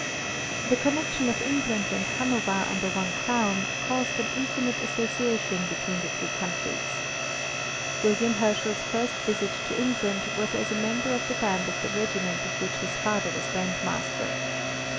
The connection of England and Hanover under one crown caused an intimate association between the two countries. William Herschel's first visit to England was as a member of the band of the regiment of which his father was bandmaster.